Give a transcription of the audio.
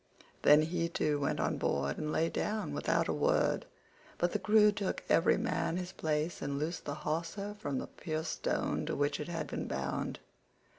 Then he too went on board and lay down without a word, but the crew took every man his place and loosed the hawser from the pierced stone to which it had been bound.